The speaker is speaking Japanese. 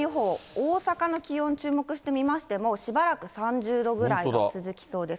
大阪の気温に注目してみましてもしばらく３０度ぐらいが続きそうです。